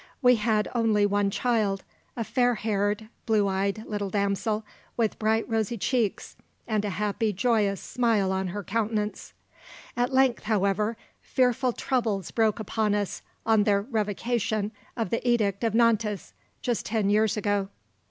We had one only child, a fair haired, blue eyed little damsel, with bright rosy cheeks and a happy, joyous smile on her countenance. At length, however, fearful troubles broke upon us on the revocation of the Edict of Nantes, just ten years ago.